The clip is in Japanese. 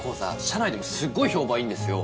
社内でもすごい評判いいんですよ。